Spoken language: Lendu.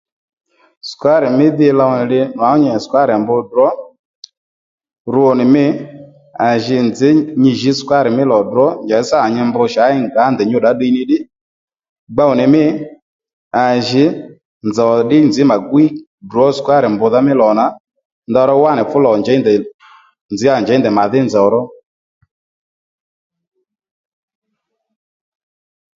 Sùkarì mí dhi low nì li nwǎngú nyi nì sùkari mbř ddrǒ rwo nì mî à ji nzǐ nyi jǐ sukarì mí lò ddrǒ njàddí sâ nà nyi mbr chǎy ngǎ ndèy nyú ddà ó ddiy ní ddiy gbow nì mî à jì nzòw ddí nzǐ mà gwíy ddrǒ sukarì mbrdha mì lò nà ndèyró wá nì fú lò njèy ndèy nzǐ à njèy ndèy nzǐ à njèy ndèy màdhí nzòw ró